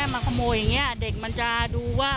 มาขโมยอย่างนี้เด็กมันจะดูว่า